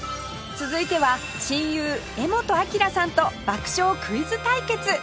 続いては親友柄本明さんと爆笑クイズ対決！